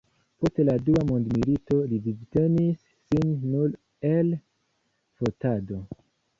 Post la dua mondmilito li vivtenis sin nur el fotado.